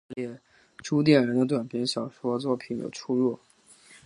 但这个记载却与下列朱点人的短篇小说作品有出入。